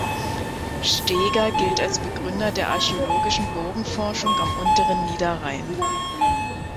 Steeger gilt als Begründer der archäologischen Burgenforschung am unteren Niederrhein.